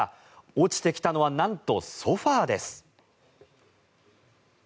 落ちてきたのはなんとソファです。